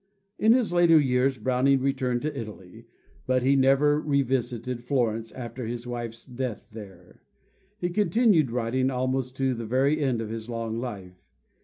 In his later years Browning returned to Italy; but he never revisited Florence after his wife's death there. He continued writing almost to the very end of his long life.